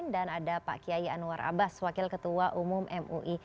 dan ada pak kiai anwar abbas wakil ketua umum mui